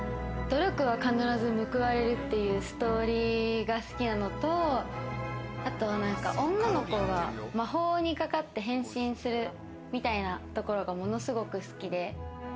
努力は必ず報われるっていうストーリーが好きなのと、あとは女の子が魔法にかかって変身するみたいなところがものすごく好きで。